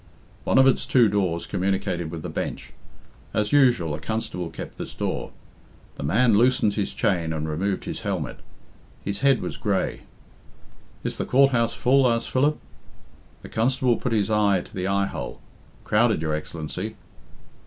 One of its two doors communicated with the bench. As usual, a constable kept this door. The man loosened his chain and removed his helmet. His head was grey. "Is the Court house full?" asked Philip. The constable put his eye to the eye hole. "Crowded, your Excellency.